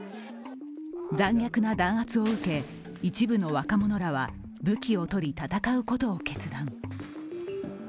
残虐な弾圧を受け、一部の若者らは武器を取り戦うことを決断。